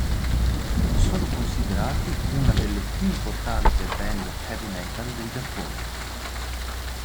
Sono considerati una delle più importanti band heavy metal del Giappone.